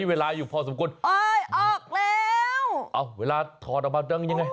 เวลาทอดออกมาดังยังไง